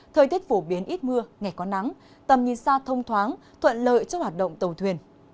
thời tiết phổ biến ít mưa ngày có nắng tầm nhìn xa thông thoáng thuận lợi cho hoạt động tàu thuyền